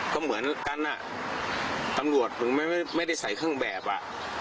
ก็เหมือนกันอ่ะตำรวจถึงไม่ได้ใส่เครื่องแบบอ่ะ